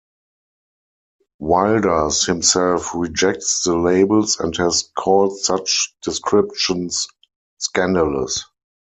Wilders himself rejects the labels and has called such descriptions "scandalous".